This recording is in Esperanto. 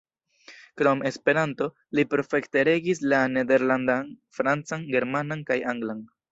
Krom Esperanto, li perfekte regis la nederlandan, francan, germanan kaj anglan.